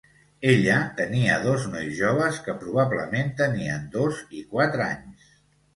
Ella tenia dos nois joves, que probablement tenien dos i quatre anys.